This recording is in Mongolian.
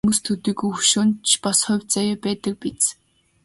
Хүмүүст төдийгүй хөшөөнд ч бас хувь заяа байдаг биз.